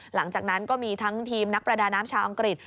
หลังจากนั้นก็มีทั้งทีมนักประดาน้ำชาวอังกฤษ